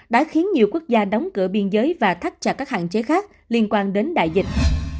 đã khiến nhiều quốc gia đóng cửa biên giới và thắt chặt các hạn chế khác liên quan đến đại dịch